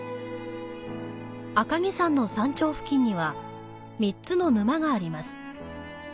赤城山の山頂付近には３つの沼があります。